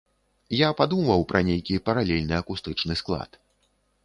Я падумваў пра нейкі паралельны акустычны склад.